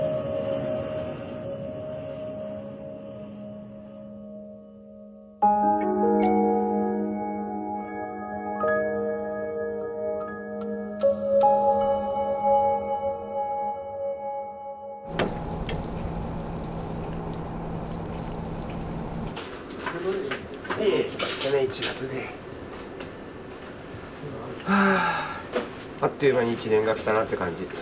あっという間に１年が来たなって感じ。